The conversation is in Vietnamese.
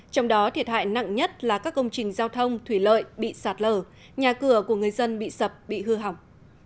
trong đó thiệt hại nặng nhất là các công trình giao thông thủy lợi bị sạt lở nhà cửa của người dân bị sập bị hư hỏng